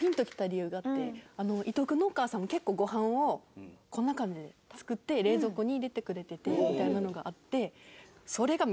伊藤君のお母さんも結構ごはんをこんな感じで作って冷蔵庫に入れてくれててみたいなのがあって。